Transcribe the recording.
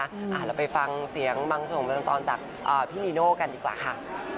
เราไปฟังเสียงบางช่วงบริมาณตอนจากนีโนกันดีกว่าค่ะ